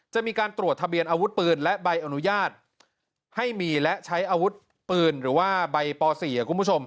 จะมีการตรวจทะเบียนอาวุธปืนและใบอนุญาตให้มีและใช้อาวุธปืนหรือว่าใบป๔คุณผู้ชม